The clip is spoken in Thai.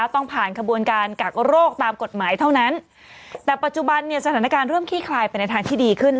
ตามกฎหมายเท่านั้นแต่ปัจจุบันเนี่ยสถานการณ์เริ่มคี่คลายไปในทางที่ดีขึ้น